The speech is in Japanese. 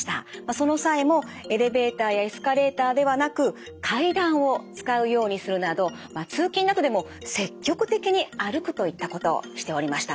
その際もエレベーターやエスカレーターではなく階段を使うようにするなど通勤などでも積極的に歩くといったことをしておりました。